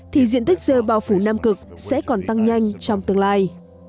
thì diện tích dơ bao phủ nam cực sẽ còn tăng nhanh trong tương lai